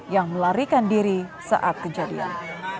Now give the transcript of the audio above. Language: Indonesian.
yang melarikan diri saat kejadian